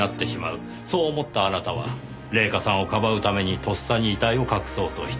そう思ったあなたは礼夏さんをかばうためにとっさに遺体を隠そうとした。